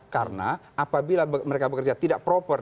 karena apabila mereka bekerja tidak proper